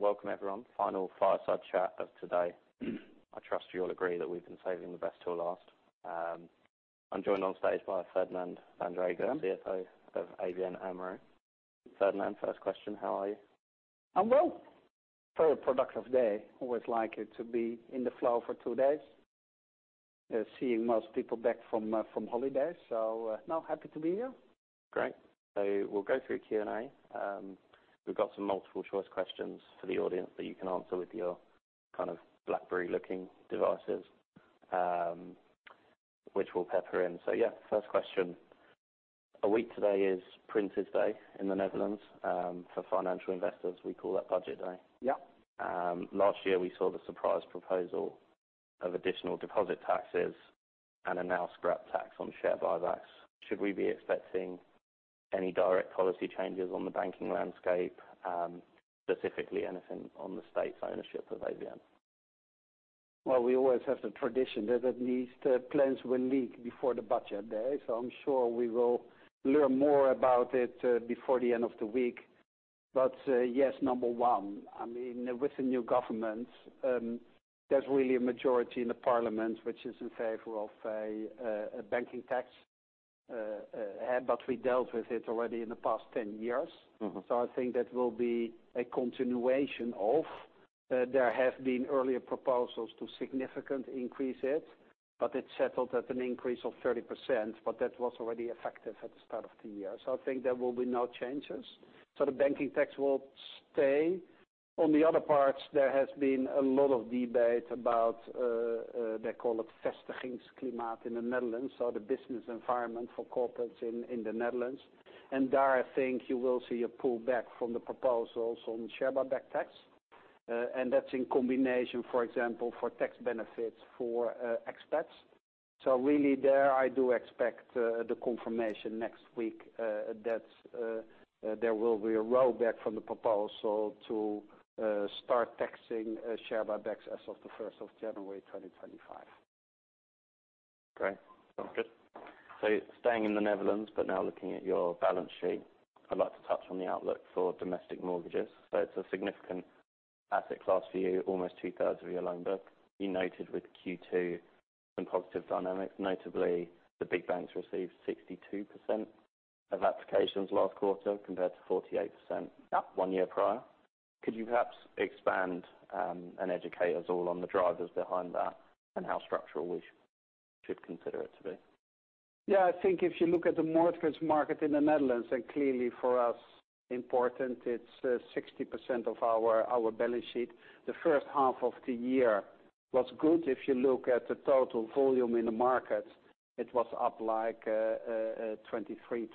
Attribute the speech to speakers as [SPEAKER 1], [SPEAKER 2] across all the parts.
[SPEAKER 1] Welcome, everyone. Final fireside chat of today. I trust you all agree that we've been saving the best till last. I'm joined on stage by Ferdinand Vaandrager, CFO of ABN AMRO. Ferdinand, first question: How are you?
[SPEAKER 2] I'm well. Very productive day. Always like it to be in the flow for two days, seeing most people back from from holiday. So, no, happy to be here.
[SPEAKER 1] Great. So we'll go through Q&A. We've got some multiple-choice questions for the audience that you can answer with your kind of BlackBerry-looking devices, which we'll pepper in. So yeah, first question: A week today is Prince's Day in the Netherlands. For financial investors, we call that Budget Day.
[SPEAKER 2] Yeah.
[SPEAKER 1] Last year, we saw the surprise proposal of additional deposit taxes and a now-scrapped tax on share buybacks. Should we be expecting any direct policy changes on the banking landscape, specifically anything on the state's ownership of ABN?
[SPEAKER 2] We always have the tradition that at least plans will leak before the Budget Day, so I'm sure we will learn more about it before the end of the week. Yes, number one, I mean, with the new government, there's really a majority in the parliament which is in favor of a banking tax, but we dealt with it already in the past 10 years.
[SPEAKER 1] Mm-hmm.
[SPEAKER 2] So I think that will be a continuation of, there have been earlier proposals to significantly increase it, but it settled at an increase of 30%, but that was already effective at the start of the year. So I think there will be no changes, so the banking tax will stay. On the other parts, there has been a lot of debate about, they call it vestigingsklimaat in the Netherlands, so the business environment for corporates in, in the Netherlands, and there, I think you will see a pullback from the proposals on share buyback tax. And that's in combination, for example, for tax benefits for, expats. So really there, I do expect the confirmation next week that there will be a rollback from the proposal to start taxing share buybacks as of the first of January, twenty twenty-five.
[SPEAKER 1] Great. Sounds good. So staying in the Netherlands, but now looking at your balance sheet, I'd like to touch on the outlook for domestic mortgages. So it's a significant asset class for you, almost two-thirds of your loan book. You noted with Q2 some positive dynamics, notably the big banks received 62% of applications last quarter, compared to 48%-
[SPEAKER 2] Yeah
[SPEAKER 1] One year prior. Could you perhaps expand and educate us all on the drivers behind that, and how structural we should consider it to be?
[SPEAKER 2] Yeah, I think if you look at the mortgage market in the Netherlands, and clearly for us, important, it's 60% of our balance sheet. The first half of the year was good. If you look at the total volume in the market, it was up, like, 23-24%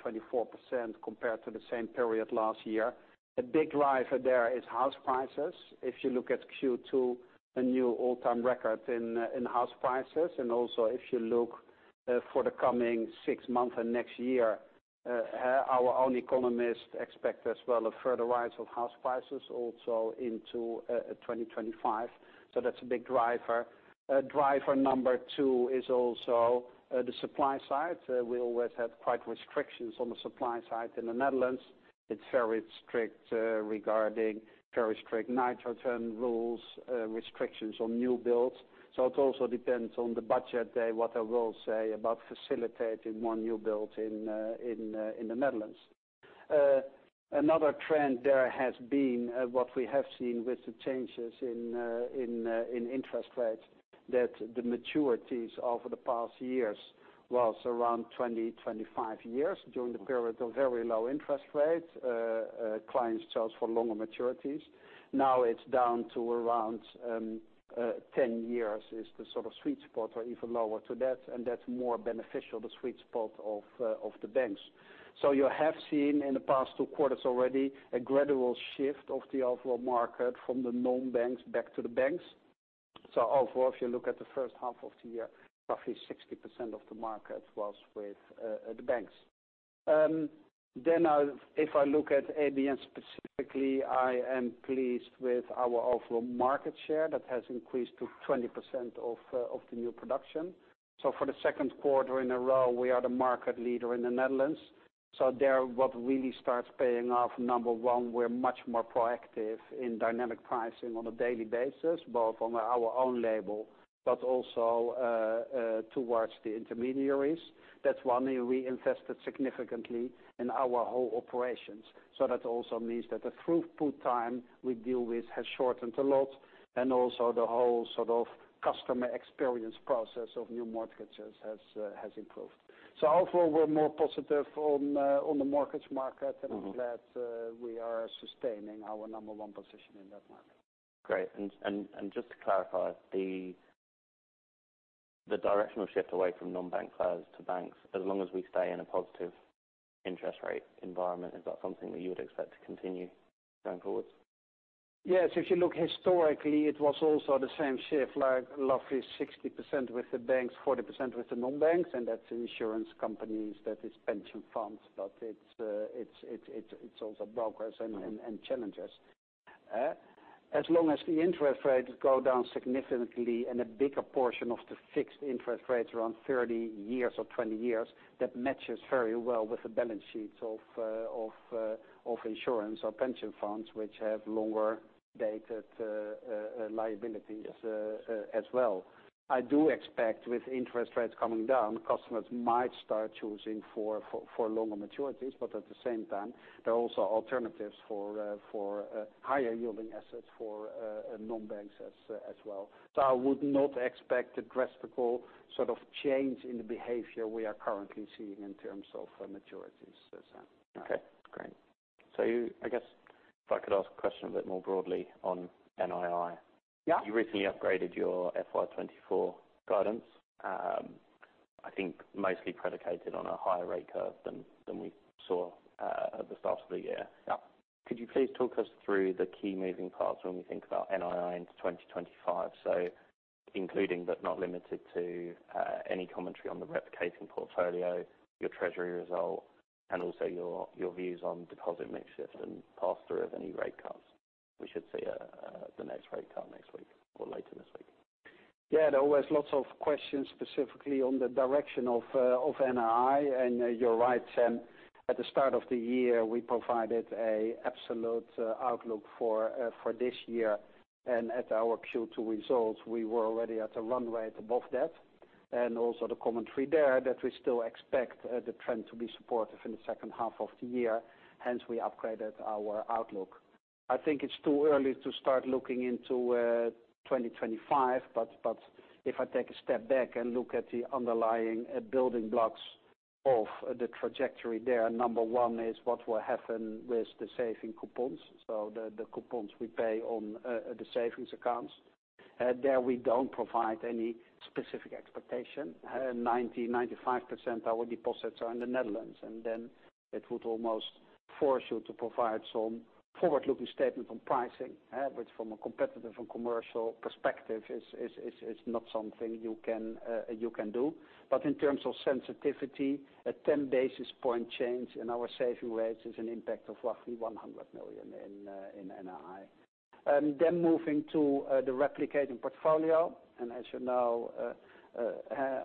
[SPEAKER 2] compared to the same period last year. A big driver there is house prices. If you look at Q2, a new all-time record in house prices, and also if you look for the coming six months and next year, our own economists expect as well a further rise of house prices also into 2025, so that's a big driver. Driver number two is also the supply side. We always have quite restrictions on the supply side in the Netherlands. It's very strict regarding very strict nitrogen rules, restrictions on new builds, so it also depends on the Budget Day, what I will say about facilitating more new builds in the Netherlands. Another trend there has been what we have seen with the changes in interest rates, that the maturities over the past years was around 20-25 years. During the period of very low interest rates, clients chose for longer maturities. Now, it's down to around 10 years is the sort of sweet spot, or even lower to that, and that's more beneficial, the sweet spot of the banks. So you have seen in the past two quarters already a gradual shift of the overall market from the non-banks back to the banks. So overall, if you look at the first half of the year, roughly 60% of the market was with the banks. Then, if I look at ABN specifically, I am pleased with our overall market share. That has increased to 20% of the new production, so for the second quarter in a row, we are the market leader in the Netherlands. So there, what really starts paying off, number one, we're much more proactive in dynamic pricing on a daily basis, both on our own label, but also towards the intermediaries. That's one, and we invested significantly in our whole operations, so that also means that the throughput time we deal with has shortened a lot, and also the whole sort of customer experience process of new mortgages has improved. So overall, we're more positive on the mortgage market and I'm glad we are sustaining our number one position in that market.
[SPEAKER 1] Great, and just to clarify, the directional shift away from non-bank lenders to banks, as long as we stay in a positive interest rate environment, is that something that you would expect to continue going forwards?
[SPEAKER 2] Yes, if you look historically, it was also the same shift, like roughly 60% with the banks, 40% with the non-banks, and that's insurance companies, that is pension funds, but it's also brokers and challengers. As long as the interest rates go down significantly and a bigger portion of the fixed interest rates around 30 years or 20 years, that matches very well with the balance sheets of insurance or pension funds, which have longer dated liabilities, as well. I do expect with interest rates coming down, customers might start choosing for longer maturities, but at the same time, there are also alternatives for higher-yielding assets for non-banks as well. So I would not expect a drastic sort of change in the behavior we are currently seeing in terms of maturities. So yeah.
[SPEAKER 1] Okay, great. So I guess if I could ask a question a bit more broadly on NII.
[SPEAKER 2] Yeah.
[SPEAKER 1] You recently upgraded your FY 2024 guidance, I think mostly predicated on a higher rate curve than we saw at the start of the year.
[SPEAKER 2] Yeah.
[SPEAKER 1] Could you please talk us through the key moving parts when we think about NII into 2025? So including but not limited to, any commentary on the replicating portfolio, your treasury result, and also your views on deposit mix shift and pass-through of any rate cuts. We should see the next rate cut next week or later this week.
[SPEAKER 2] Yeah, there were lots of questions, specifically on the direction of NII. You're right, Sam, at the start of the year, we provided an absolute outlook for this year, and at our Q2 results, we were already at a run rate above that, and also the commentary there, that we still expect the trend to be supportive in the second half of the year. Hence, we upgraded our outlook. I think it's too early to start looking into 2025, but if I take a step back and look at the underlying building blocks of the trajectory there, number one is what will happen with the savings coupons, so the coupons we pay on the savings accounts. There, we don't provide any specific expectation. 95% of our deposits are in the Netherlands, and then it would almost force you to provide some forward-looking statement on pricing, which from a competitive and commercial perspective, is not something you can do. But in terms of sensitivity, a 10 basis points change in our saving rates is an impact of roughly 100 million in NII. Moving to the replicating portfolio, and as you know,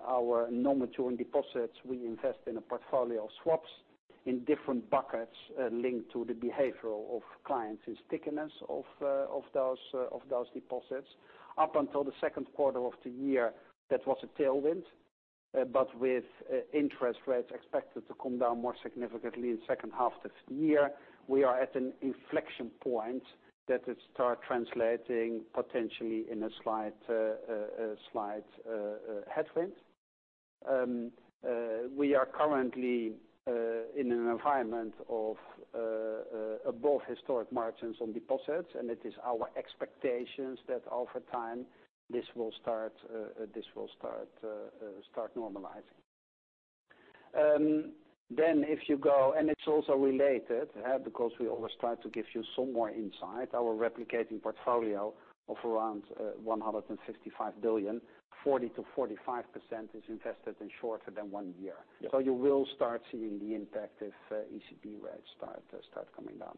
[SPEAKER 2] our non-maturing deposits, we invest in a portfolio of swaps in different buckets, linked to the behavior of clients and stickiness of those deposits. Up until the second quarter of the year, that was a tailwind, but with interest rates expected to come down more significantly in second half this year, we are at an inflection point that it start translating potentially in a slight headwind. We are currently in an environment of above historic margins on deposits, and it is our expectations that over time, this will start normalizing, then if you go. And it's also related, because we always try to give you some more insight. Our replicating portfolio of around 155 billion, 40%-45% is invested in shorter than one year.
[SPEAKER 1] Yeah.
[SPEAKER 2] You will start seeing the impact if ECB rates start coming down.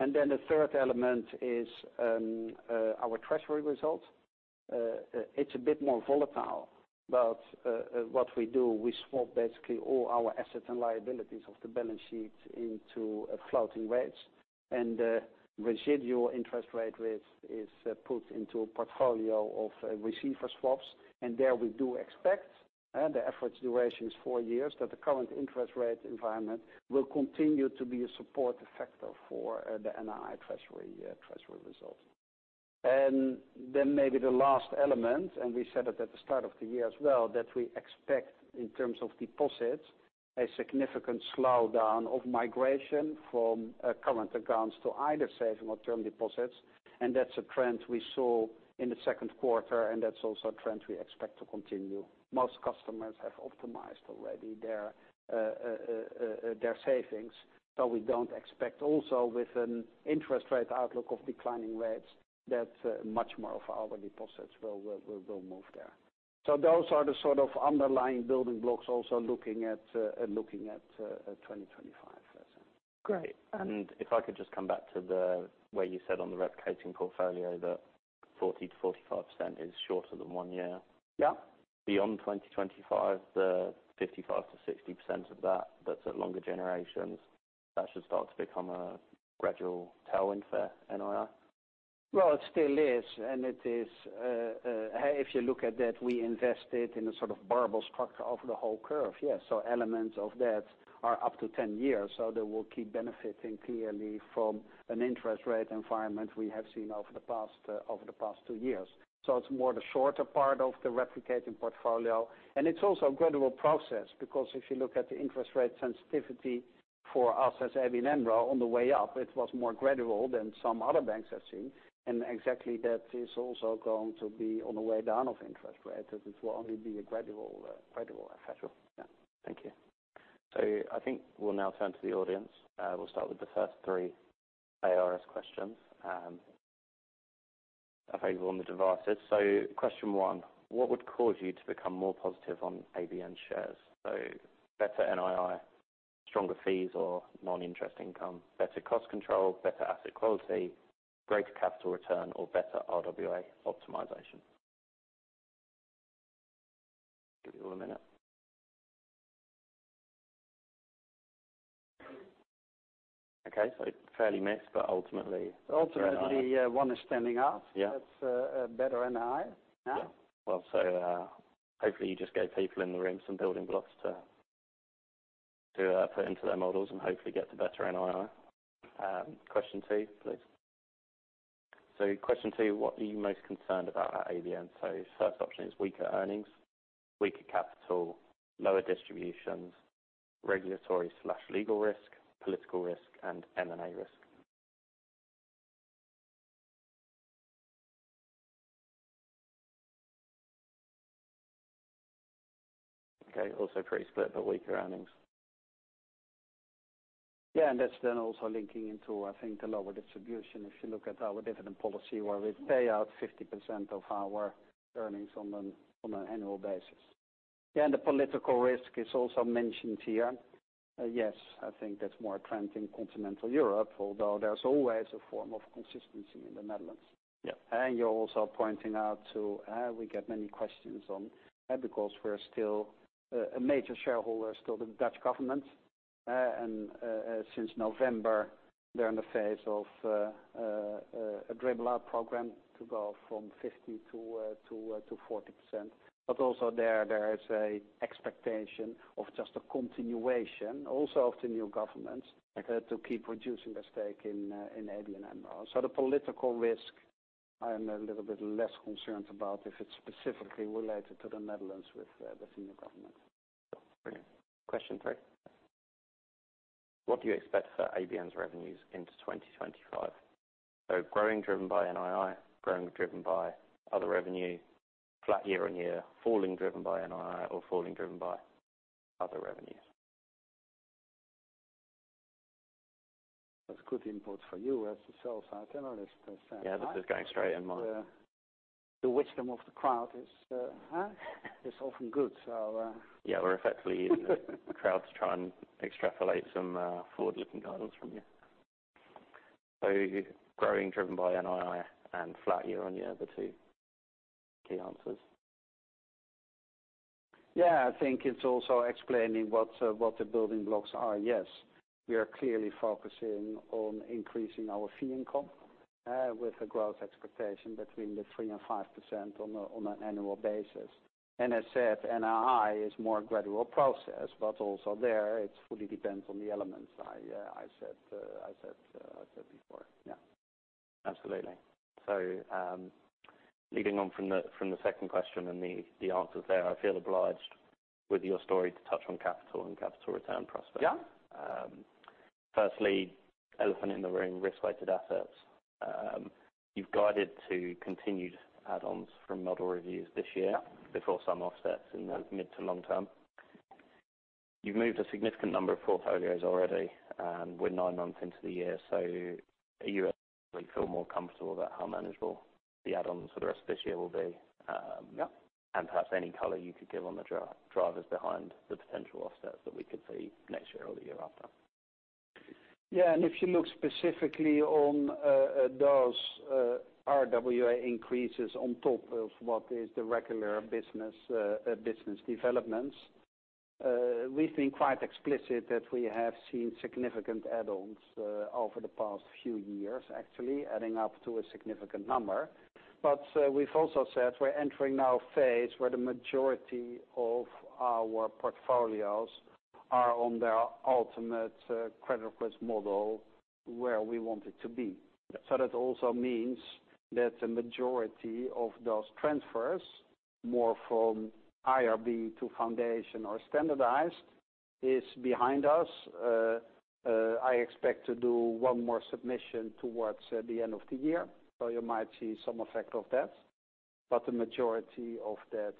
[SPEAKER 2] And then the third element is our treasury results. It's a bit more volatile, but what we do, we swap basically all our assets and liabilities of the balance sheet into floating rates, and the residual interest rate risk is put into a portfolio of receiver swaps. And there, we do expect the effective duration is four years, that the current interest rate environment will continue to be a support factor for the NII treasury results. And then maybe the last element, and we said it at the start of the year as well, that we expect, in terms of deposits, a significant slowdown of migration from current accounts to either savings or term deposits. That's a trend we saw in the second quarter, and that's also a trend we expect to continue. Most customers have optimized already their their savings, so we don't expect also with an interest rate outlook of declining rates, that much more of our deposits will move there. So those are the sort of underlying building blocks also looking at 2025.
[SPEAKER 1] Great. And if I could just come back to the, where you said on the replicating portfolio that 40%-45% is shorter than one year.
[SPEAKER 2] Yeah.
[SPEAKER 1] Beyond 2025, the 55%-60% of that, that's at longer durations, that should start to become a gradual tailwind for NII?
[SPEAKER 2] It still is, and it is. If you look at that, we invested in a sort of barbell structure of the whole curve. Yeah, so elements of that are up to 10 years, so they will keep benefiting clearly from an interest rate environment we have seen over the past two years. So it's more the shorter part of the replicating portfolio, and it's also a gradual process, because if you look at the interest rate sensitivity for us as ABN AMRO on the way up, it was more gradual than some other banks have seen, and exactly that is also going to be on the way down of interest rates, as it will only be a gradual effect.
[SPEAKER 1] Sure. Yeah. Thank you. So I think we'll now turn to the audience. We'll start with the first three ARS questions available on the devices. So question one, what would cause you to become more positive on ABN shares? So better NII, stronger fees or non-interest income, better cost control, better asset quality, greater capital return, or better RWA optimization? Give you all a minute. Okay, so it's fairly mixed, but ultimately-
[SPEAKER 2] Ultimately, one is standing out.
[SPEAKER 1] Yeah.
[SPEAKER 2] It's better NII. Yeah.
[SPEAKER 1] Hopefully, you just gave people in the room some building blocks to put into their models and hopefully get to better NII. Question two, please. Question two: What are you most concerned about at ABN? First option is weaker earnings, weaker capital, lower distributions, regulatory/legal risk, political risk, and M&A risk. Okay, also pretty split, but weaker earnings.
[SPEAKER 2] Yeah, and that's then also linking into, I think, the lower distribution. If you look at our dividend policy, where we pay out 50% of our earnings on an annual basis. Yeah, and the political risk is also mentioned here. Yes, I think that's more a trend in continental Europe, although there's always a form of consistency in the Netherlands.
[SPEAKER 1] Yeah.
[SPEAKER 2] You're also pointing out, too, we get many questions on that because we're still a major shareholder, still the Dutch government. And since November, they're in the phase of a dribble out program to go from 50% to 40%. But also, there is an expectation of just a continuation, also of the new government, to keep reducing the stake in ABN AMRO. So the political risk, I'm a little bit less concerned about if it's specifically related to the Netherlands with the sovereign government.
[SPEAKER 1] Great. Question three: What do you expect for ABN's revenues into 2025? So growing, driven by NII, growing, driven by other revenue, flat year-on-year, falling, driven by NII, or falling, driven by other revenues.
[SPEAKER 2] That's good input for you as a sell side analyst.
[SPEAKER 1] Yeah, this is going straight in my-
[SPEAKER 2] The wisdom of the crowd is often good, so...
[SPEAKER 1] Yeah, we're effectively using the crowd to try and extrapolate some forward-looking guidance from you. So growing, driven by NII and flat year-on-year are the two key answers.
[SPEAKER 2] Yeah, I think it's also explaining what the building blocks are. Yes, we are clearly focusing on increasing our fee income with a growth expectation between 3% and 5% on an annual basis. As said, NII is more gradual process, but also there, it fully depends on the elements I said before. Yeah.
[SPEAKER 1] Absolutely. So, leading on from the second question and the answers there, I feel obliged with your story to touch on capital and capital return prospects.
[SPEAKER 2] Yeah.
[SPEAKER 1] Firstly, elephant in the room, risk-weighted assets. You've guided to continued add-ons from model reviews this year-
[SPEAKER 2] Yeah
[SPEAKER 1] before some offsets in the mid to long term. You've moved a significant number of portfolios already, and we're nine months into the year, so are you feeling more comfortable about how manageable the add-ons for the rest of this year will be?
[SPEAKER 2] Yeah.
[SPEAKER 1] Perhaps any color you could give on the drivers behind the potential offsets that we could see next year or the year after?
[SPEAKER 2] Yeah, and if you look specifically on those RWA increases on top of what is the regular business developments, we've been quite explicit that we have seen significant add-ons over the past few years, actually, adding up to a significant number. But we've also said we're entering now a phase where the majority of our portfolios are on their ultimate credit risk model, where we want it to be.
[SPEAKER 1] Yeah.
[SPEAKER 2] So that also means that the majority of those transfers, more from IRB to foundation or standardized, is behind us. I expect to do one more submission towards the end of the year, so you might see some effect of that. But the majority of that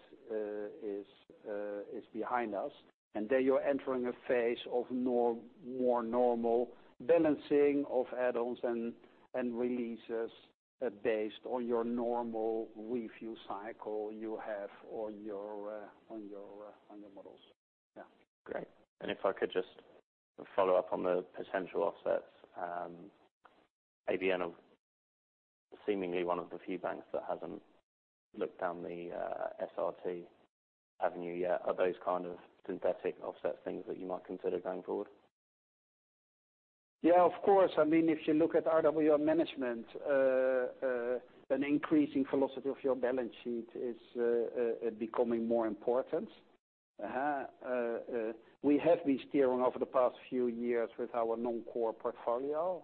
[SPEAKER 2] is behind us. And then you're entering a phase of more normal balancing of add-ons and releases, based on your normal review cycle you have on your models. Yeah.
[SPEAKER 1] Great. And if I could just follow up on the potential offsets. ABN is seemingly one of the few banks that hasn't looked down the SRT avenue yet. Are those kind of synthetic offsets things that you might consider going forward?
[SPEAKER 2] Yeah, of course. I mean, if you look at RWA management, an increasing velocity of your balance sheet is becoming more important. We have been steering over the past few years with our non-core portfolio,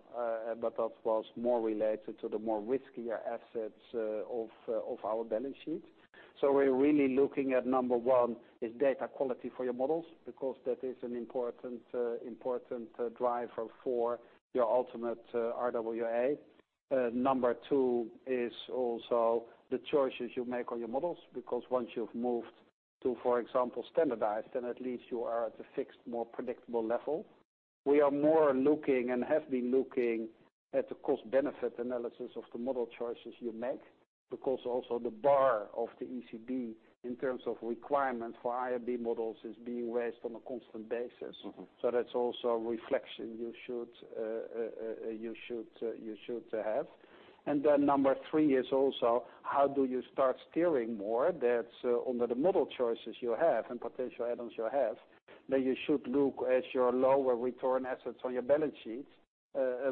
[SPEAKER 2] but that was more related to the more riskier assets of our balance sheet. So we're really looking at, number one, is data quality for your models, because that is an important driver for your ultimate RWA. Number two is also the choices you make on your models, because once you've moved to, for example, standardized, then at least you are at a fixed, more predictable level.... We are more looking and have been looking at the cost benefit analysis of the model choices you make, because also the bar of the ECB in terms of requirements for IRB models is being raised on a constant basis. That's also a reflection you should have. And then number three is also how do you start steering more? That's under the model choices you have and potential add-ons you have, that you should look at your lower return assets on your balance sheets,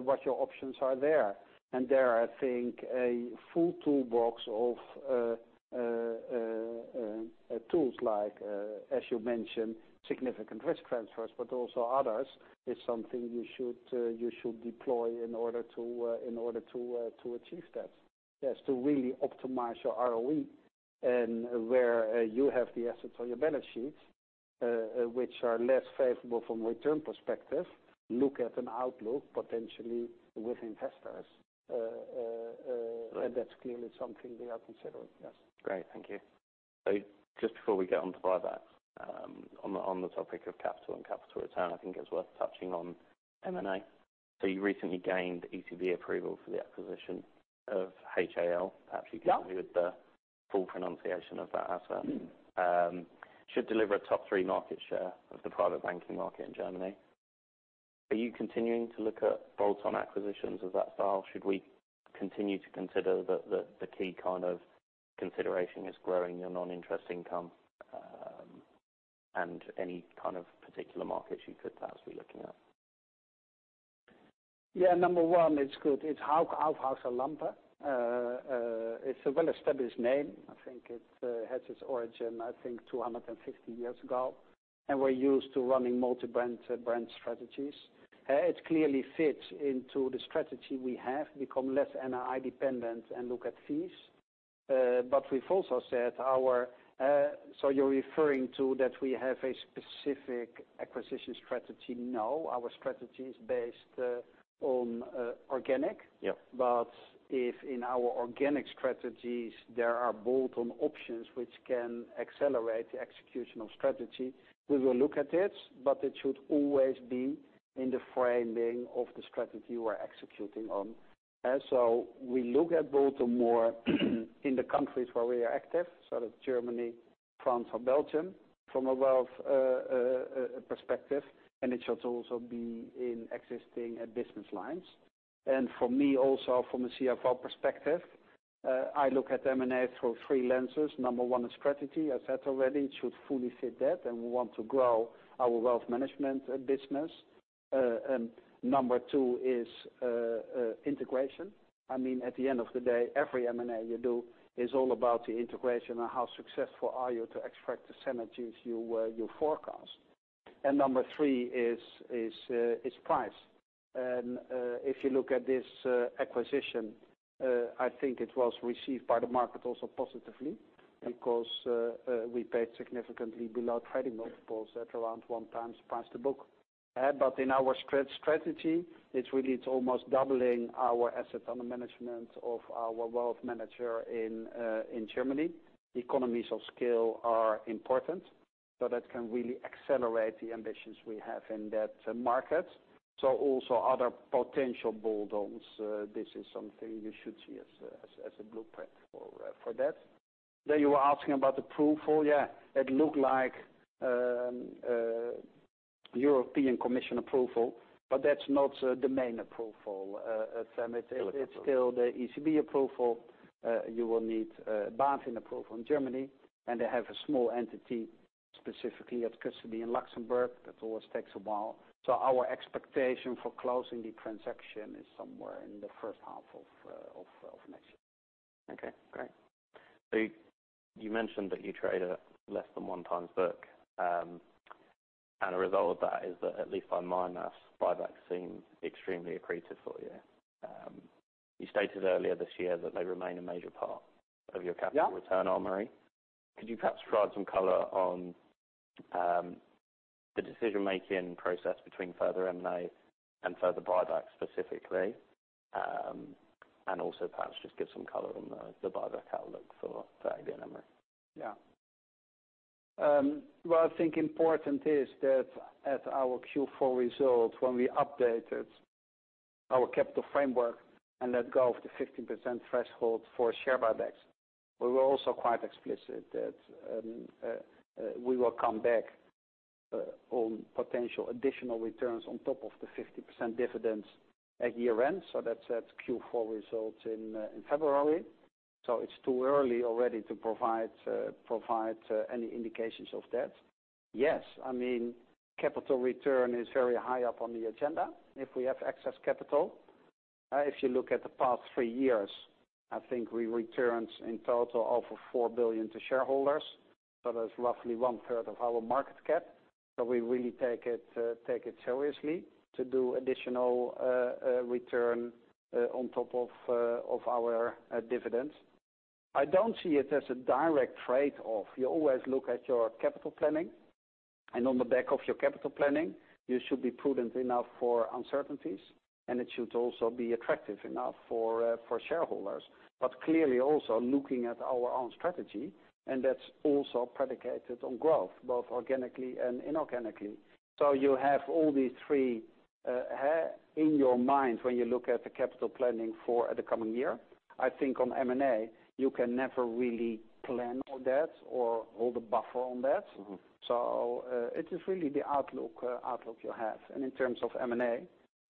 [SPEAKER 2] what your options are there. And there, I think, a full toolbox of tools like, as you mentioned, significant risk transfers, but also others, is something you should deploy in order to achieve that. Yes, to really optimize your ROE and where you have the assets on your balance sheets, which are less favorable from return perspective, look at an outlook potentially with investors. And that's clearly something we are considering, yes.
[SPEAKER 1] Great, thank you. So just before we get on to buybacks, on the topic of capital and capital return, I think it's worth touching on M&A. So you recently gained ECB approval for the acquisition of HAL. Perhaps you-
[SPEAKER 2] Yeah
[SPEAKER 1] can hear the full pronunciation of that asset. Should deliver a top three market share of the private banking market in Germany. Are you continuing to look at bolt-on acquisitions of that style? Should we continue to consider the key kind of consideration is growing your non-interest income, and any kind of particular markets you could perhaps be looking at?
[SPEAKER 2] Yeah, number one, it's good. It's Hauck Aufhäuser Lampe. It's a well-established name. I think it has its origin, I think, 250 years ago, and we're used to running multi-brand, brand strategies. It clearly fits into the strategy we have, become less NII dependent and look at fees. But we've also said our, so you're referring to, that we have a specific acquisition strategy? No, our strategy is based on, organic.
[SPEAKER 1] Yeah.
[SPEAKER 2] But if in our organic strategies, there are bolt-on options which can accelerate the execution of strategy, we will look at it, but it should always be in the framing of the strategy we're executing on. And so we look at bolt-on more in the countries where we are active, so that's Germany, France or Belgium, from a wealth perspective, and it should also be in existing business lines. And for me, also from a CFO perspective, I look at M&A through three lenses. Number one is strategy. I said already, it should fully fit that, and we want to grow our wealth management business. And number two is integration. I mean, at the end of the day, every M&A you do is all about the integration and how successful are you to extract the synergies you forecast. And number three is price. And if you look at this acquisition, I think it was received by the market also positively, because we paid significantly below trading multiples at around one times price to book. But in our strategy, it's really almost doubling our assets under management of our wealth manager in Germany. Economies of scale are important, so that can really accelerate the ambitions we have in that market. So also other potential bolt-ons, this is something you should see as a blueprint for that. Then you were asking about approval. Yeah, it looked like European Commission approval, but that's not the main approval. It's still the ECB approval. You will need BaFin approval in Germany, and they have a small entity, specifically at custody in Luxembourg. That always takes a while. So our expectation for closing the transaction is somewhere in the first half of next year.
[SPEAKER 1] Okay, great. So you mentioned that you trade at less than one times book, and as a result of that is that at least on my math, buybacks seem extremely accretive for you. You stated earlier this year that they remain a major part of your capital-
[SPEAKER 2] Yeah
[SPEAKER 1] return armory. Could you perhaps provide some color on the decision-making process between further M&A and further buybacks specifically? And also perhaps just give some color on the buyback outlook for ABN AMRO.
[SPEAKER 2] Yeah. Well, I think important is that at our Q4 results, when we updated our capital framework and let go of the 50% threshold for share buybacks, we were also quite explicit that we will come back on potential additional returns on top of the 50% dividends at year-end. So that's at Q4 results in February. So it's too early already to provide any indications of that. Yes, I mean, capital return is very high up on the agenda if we have excess capital. If you look at the past three years, I think we returned in total over 4 billion to shareholders, so that's roughly one third of our market cap. So we really take it seriously to do additional return on top of our dividends. I don't see it as a direct trade-off. You always look at your capital planning, and on the back of your capital planning, you should be prudent enough for uncertainties, and it should also be attractive enough for shareholders, but clearly also looking at our own strategy, and that's also predicated on growth, both organically and inorganically, so you have all these three in your mind when you look at the capital planning for the coming year. I think on M&A, you can never really plan on that or hold a buffer on that. So, it is really the outlook you have. And in terms of M&A,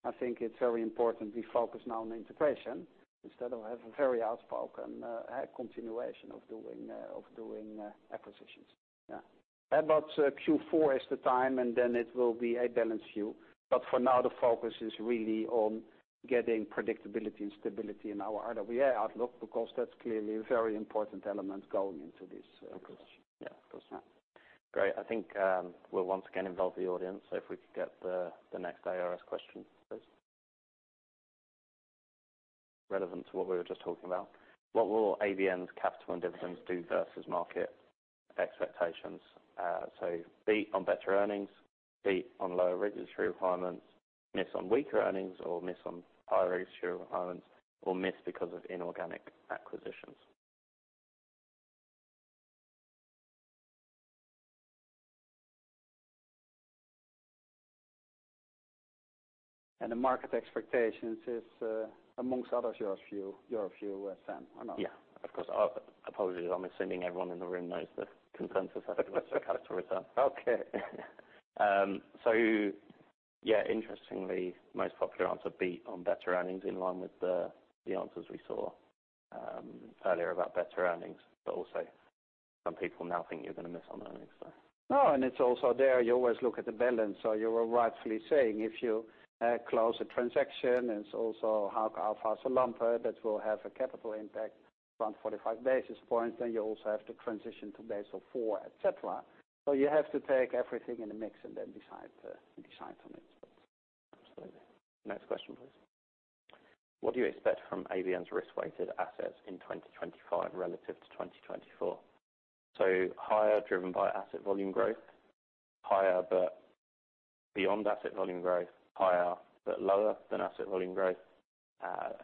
[SPEAKER 2] I think it's very important we focus now on integration instead of have a very outspoken continuation of doing acquisitions. Yeah. But Q4 is the time, and then it will be a balance view. But for now, the focus is really on getting predictability and stability in our RWA outlook, because that's clearly a very important element going into this acquisition.
[SPEAKER 1] Yeah, of course. Great. I think we'll once again involve the audience, so if we could get the next ARS question, please. Relevant to what we were just talking about, what will ABN's capital and dividends do versus market expectations? So beat on better earnings, beat on lower regulatory requirements, miss on weaker earnings, or miss on higher regulatory requirements, or miss because of inorganic acquisitions.
[SPEAKER 2] And the market expectations is, among others, your view, Sam, or not?
[SPEAKER 1] Yeah, of course. Apologies, I'm assuming everyone in the room knows the consensus has a lesser capital return.
[SPEAKER 2] Okay.
[SPEAKER 1] Yeah, interestingly, most popular answer, beat on better earnings in line with the answers we saw earlier about better earnings. But also some people now think you're going to miss on earnings, so.
[SPEAKER 2] No, and it's also there. You always look at the balance. So you were rightfully saying if you close a transaction, it's also how far so longer that will have a capital impact around 45 basis points. Then you also have to transition to Basel IV, et cetera. So you have to take everything in the mix and then decide from it.
[SPEAKER 1] Absolutely. Next question, please. What do you expect from ABN's risk-weighted assets in 2025 relative to 2024? So higher, driven by asset volume growth, higher, but beyond asset volume growth, higher, but lower than asset volume growth,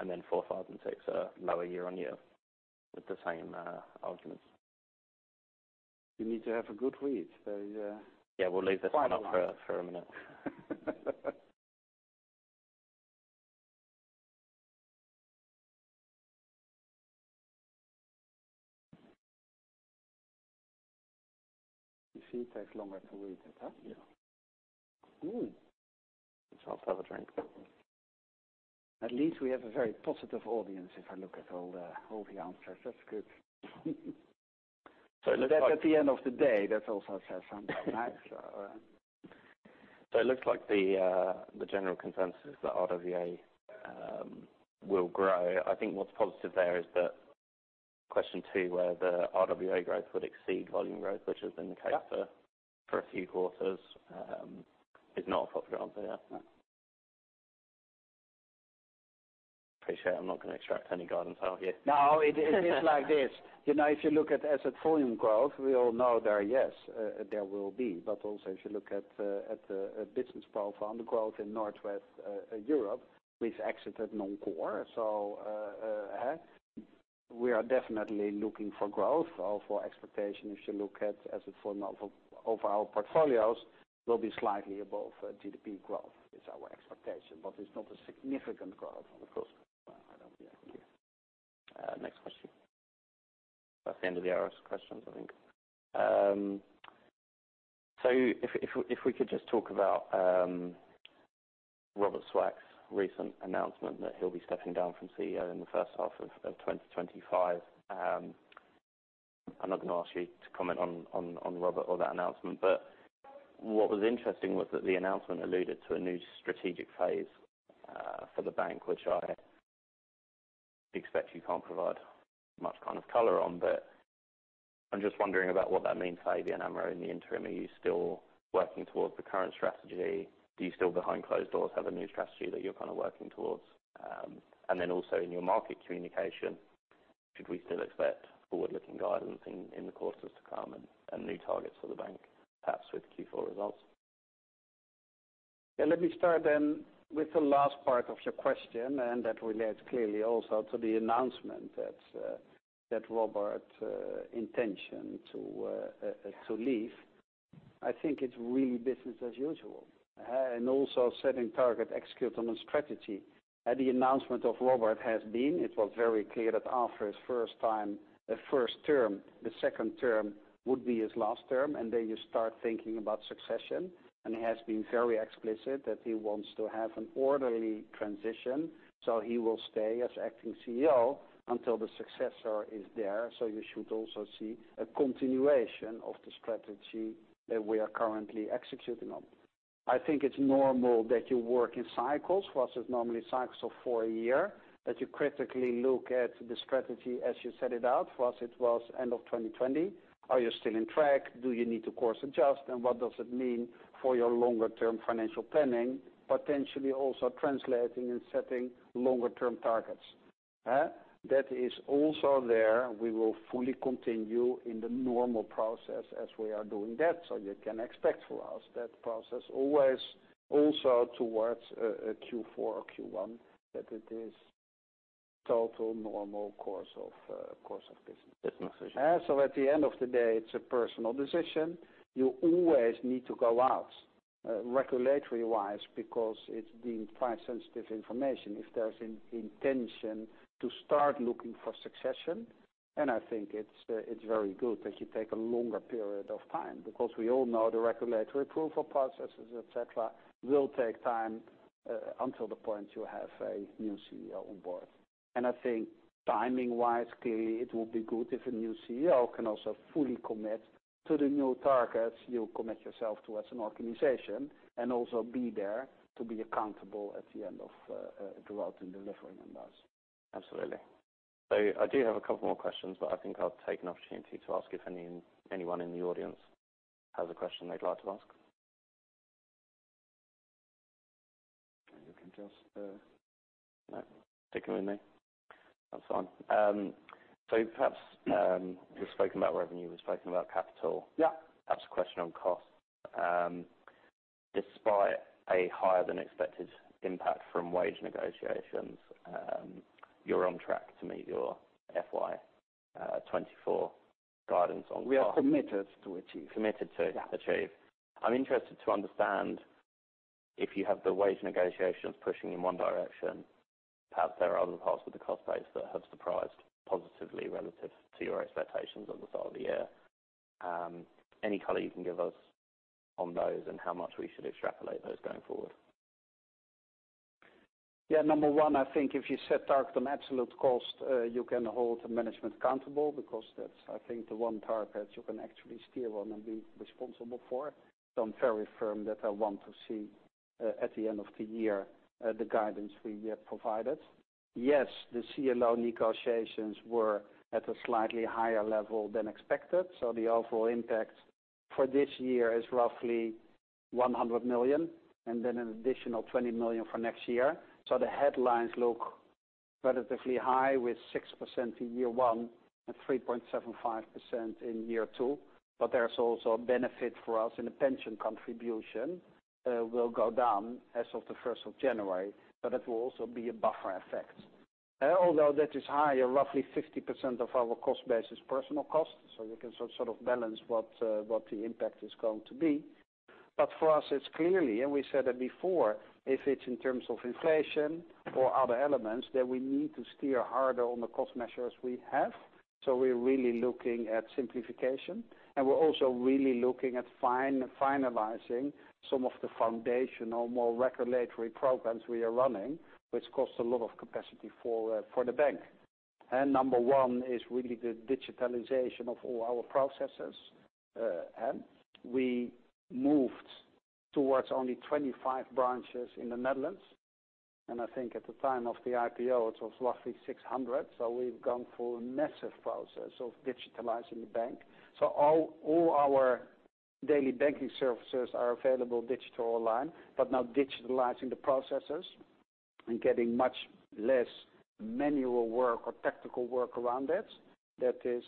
[SPEAKER 1] and then four, five, and six, lower year-on-year with the same arguments.
[SPEAKER 2] You need to have a good read. So,
[SPEAKER 1] Yeah, we'll leave this one up for a minute.
[SPEAKER 2] You see, it takes longer to read it, huh?
[SPEAKER 1] Yeah.
[SPEAKER 2] Ooh.
[SPEAKER 1] Let's all have a drink.
[SPEAKER 2] At least we have a very positive audience, if I look at all the, all the answers. That's good.
[SPEAKER 1] So it looks like-
[SPEAKER 2] But at the end of the day, that also says something, right? So...
[SPEAKER 1] It looks like the general consensus is that RWA will grow. I think what's positive there is that question two, where the RWA growth would exceed volume growth, which has been the case-
[SPEAKER 2] Yeah...
[SPEAKER 1] for a few quarters, is not up for granted. Yeah. Appreciate I'm not going to extract any guidance out of you.
[SPEAKER 2] No, it is, it is like this. You know, if you look at asset volume growth, we all know there, yes, there will be, but also, if you look at the business profile on the growth in Northwest Europe, we've exited non-core, so we are definitely looking for growth or for expectation. If you look at asset volume of our portfolios, will be slightly above GDP growth. It's our expectation, but it's not a significant growth, of course. I don't think.
[SPEAKER 1] Next question. That's the end of the ARS questions, I think, so if we could just talk about Robert Swaak's recent announcement that he'll be stepping down from CEO in the first half of 2025. I'm not going to ask you to comment on Robert or that announcement, but what was interesting was that the announcement alluded to a new strategic phase for the bank, which I expect you can't provide much kind of color on, but I'm just wondering about what that means for ABN AMRO in the interim. Are you still working towards the current strategy? Do you still, behind closed doors, have a new strategy that you're kind of working towards? And then also in your market communication, should we still expect forward-looking guidance in the quarters to come and new targets for the bank, perhaps with Q4 results?
[SPEAKER 2] Yeah, let me start then with the last part of your question, and that relates clearly also to the announcement that Robert's intention to leave. I think it's really business as usual, and also setting targets executing on a strategy. At the announcement, it was very clear that after his first term, the second term would be his last term, and then you start thinking about succession, and he has been very explicit that he wants to have an orderly transition, so he will stay as acting CEO until the successor is there, so you should also see a continuation of the strategy that we are currently executing on. I think it's normal that you work in cycles. For us, it's normally cycles of four a year, that you critically look at the strategy as you set it out. For us, it was end of 2020. Are you still in track? Do you need to course adjust? And what does it mean for your longer term financial planning, potentially also translating and setting longer term targets? That is also there. We will fully continue in the normal process as we are doing that. So you can expect for us that process always also towards Q4 or Q1, that it is total normal course of business.
[SPEAKER 1] Business.
[SPEAKER 2] So at the end of the day, it's a personal decision. You always need to go out, regulatory-wise because it's being price-sensitive information, if there's an intention to start looking for succession. And I think it's very good that you take a longer period of time, because we all know the regulatory approval processes, et cetera, will take time, until the point you have a new CEO on board. And I think timing-wise, clearly, it will be good if a new CEO can also fully commit to the new targets you commit yourself to as an organization, and also be there to be accountable at the end of, throughout the delivery on those.
[SPEAKER 1] Absolutely. So I do have a couple more questions, but I think I'll take an opportunity to ask if anyone in the audience has a question they'd like to ask.
[SPEAKER 2] You can just,
[SPEAKER 1] No, sticking with me? That's fine, so perhaps we've spoken about revenue, we've spoken about capital.
[SPEAKER 2] Yeah.
[SPEAKER 1] Perhaps a question on cost. Despite a higher-than-expected impact from wage negotiations, you're on track to meet your FY 2024 guidance on cost?
[SPEAKER 2] We are committed to achieve.
[SPEAKER 1] Committed to-
[SPEAKER 2] Yeah...
[SPEAKER 1] achieve. I'm interested to understand, if you have the wage negotiations pushing in one direction, perhaps there are other parts of the cost base that have surprised positively relative to your expectations on the start of the year. Any color you can give us on those and how much we should extrapolate those going forward?
[SPEAKER 2] Yeah. Number one, I think if you set target on absolute cost, you can hold the management accountable because that's, I think, the one target you can actually steer on and be responsible for. So I'm very firm that I want to see, at the end of the year, the guidance we have provided. Yes, the CLA negotiations were at a slightly higher level than expected, so the overall impact for this year is roughly 100 million, and then an additional 20 million for next year. So the headlines look relatively high, with 6% in year one and 3.75% in year two, but there's also a benefit for us in the pension contribution will go down as of the first of January, so that will also be a buffer effect. Although that is higher, roughly 50% of our cost base is personal cost, so we can sort of balance what the impact is going to be. But for us, it's clearly, and we said it before, if it's in terms of inflation or other elements, then we need to steer harder on the cost measures we have. So we're really looking at simplification, and we're also really looking at finalizing some of the foundational, more regulatory programs we are running, which costs a lot of capacity for the bank. And number one is really the digitalization of all our processes. And we moved towards only 25 branches in the Netherlands, and I think at the time of the IPO, it was roughly 600. So we've gone through a massive process of digitalizing the bank. So all, all our daily banking services are available digital online, but now digitalizing the processes and getting much less manual work or tactical work around it, that is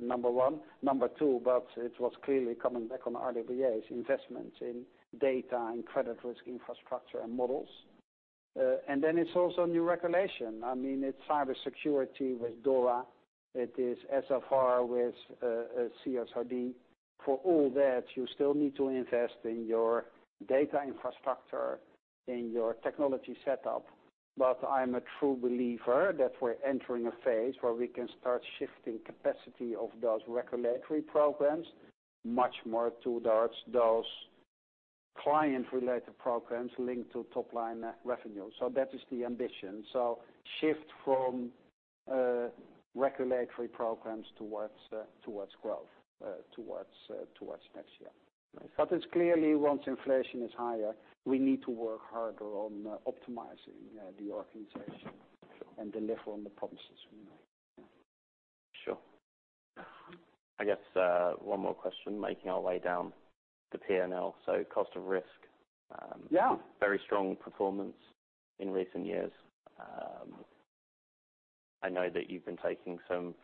[SPEAKER 2] number one. Number two, but it was clearly coming back on RWA's investments in data and credit risk infrastructure and models, and then it's also new regulation. I mean, it's cybersecurity with DORA, it is SFDR with CSRD. For all that, you still need to invest in your data infrastructure, in your technology setup, but I'm a true believer that we're entering a phase where we can start shifting capacity of those regulatory programs much more towards those client-related programs linked to top-line revenue, so that is the ambition, so shift from regulatory programs towards growth, towards next year.
[SPEAKER 1] Right.
[SPEAKER 2] But it's clearly, once inflation is higher, we need to work harder on optimizing, the organization and deliver on the promises we make.
[SPEAKER 1] Sure. I guess, one more question, making our way down the P&L. So cost of risk,
[SPEAKER 2] Yeah...
[SPEAKER 1] very strong performance in recent years. I know that you've been taking some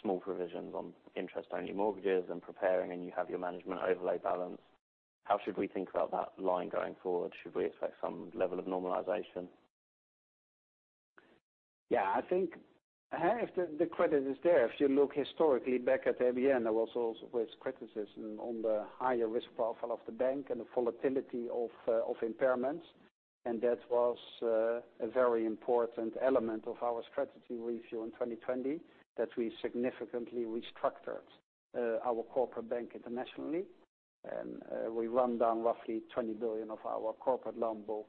[SPEAKER 1] small provisions on interest-only mortgages and preparing, and you have your management overlay balance. How should we think about that line going forward? Should we expect some level of normalization?
[SPEAKER 2] Yeah. I think half the credit is there. If you look historically back at ABN, there was also criticism on the higher risk profile of the bank and the volatility of impairments, and that was a very important element of our strategy review in 2020, that we significantly restructured our corporate bank internationally. And we run down roughly 20 billion of our corporate loan book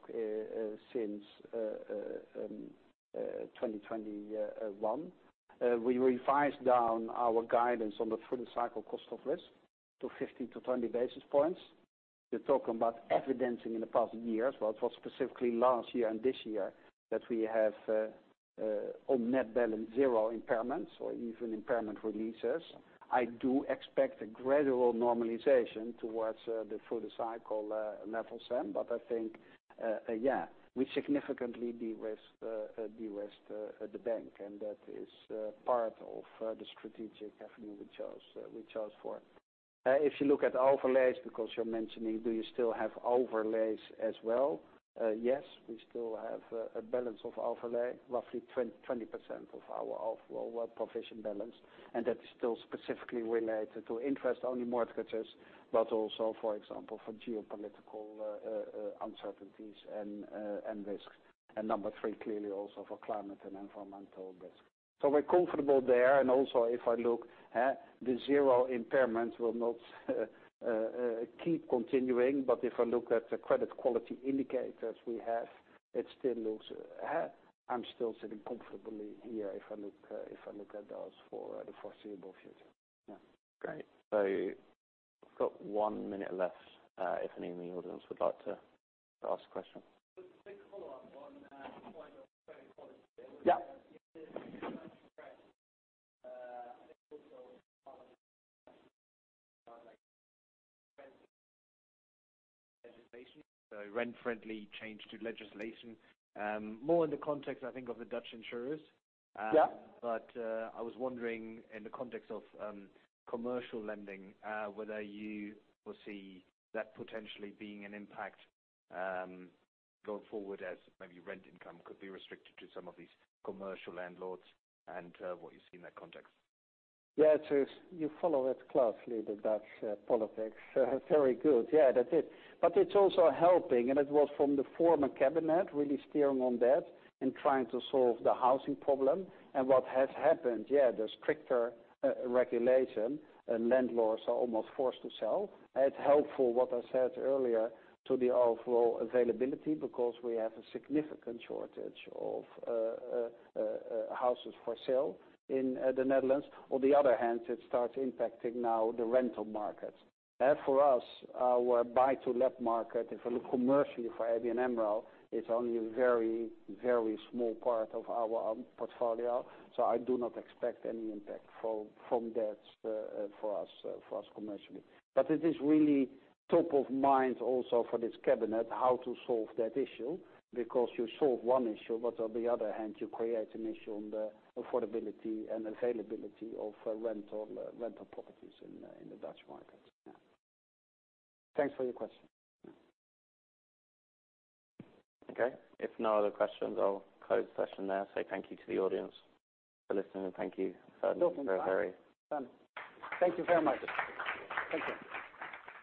[SPEAKER 2] since 2021. We revised down our guidance on the through-the-cycle cost of risk to 15 to 20 basis points. You're talking about evidencing in the past years. Well, it was specifically last year and this year, that we have on net balance zero impairments or even impairment releases. I do expect a gradual normalization towards the through-the-cycle level, Sam, but I think-... Yeah, we significantly de-risk the bank, and that is part of the strategic avenue we chose for. If you look at overlays, because you're mentioning, do you still have overlays as well? Yes, we still have a balance of overlay, roughly 20% of our overall provision balance, and that is still specifically related to interest-only mortgages, but also, for example, for geopolitical uncertainties and risks. And number three, clearly also for climate and environmental risk. So we're comfortable there, and also, if I look, the zero impairment will not keep continuing. But if I look at the credit quality indicators we have, it still looks, I'm still sitting comfortably here if I look at those for the foreseeable future. Yeah.
[SPEAKER 1] Great. So we've got one minute left, if any in the audience would like to ask a question.
[SPEAKER 3] Just a quick follow-up on point of credit quality.
[SPEAKER 2] Yeah.
[SPEAKER 3] Legislation, so rent-friendly change to legislation. More in the context, I think, of the Dutch insurers.
[SPEAKER 2] Yeah.
[SPEAKER 3] I was wondering, in the context of commercial lending, whether you foresee that potentially being an impact going forward as maybe rent income could be restricted to some of these commercial landlords, and what you see in that context.
[SPEAKER 2] Yeah, so you follow it closely, the Dutch politics. Very good. Yeah, that's it. But it's also helping, and it was from the former cabinet really steering on that and trying to solve the housing problem. And what has happened, yeah, the stricter regulation and landlords are almost forced to sell. It's helpful, what I said earlier, to the overall availability because we have a significant shortage of houses for sale in the Netherlands. On the other hand, it starts impacting now the rental market. As for us, our buy to let market, if you look commercially for ABN AMRO, is only a very, very small part of our portfolio. So I do not expect any impact from that, for us, for us commercially. But it is really top of mind also for this cabinet, how to solve that issue. Because you solve one issue, but on the other hand, you create an issue on the affordability and availability of rental properties in the Dutch market. Yeah. Thanks for your question.
[SPEAKER 1] Okay, if no other questions, I'll close the session now. Say thank you to the audience for listening, and thank you, Ferdinand, for a very-
[SPEAKER 2] Thank you very much. Thank you.